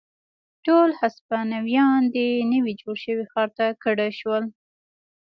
ټول هسپانویان دې نوي جوړ شوي ښار ته کډه شول.